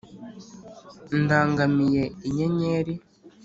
ndangamiye inyenyeri